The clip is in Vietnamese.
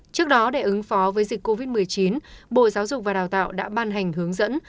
trước đó để ứng phó với dịch covid một mươi chín bộ giáo dục và đào tạo đã ban hành hướng dẫn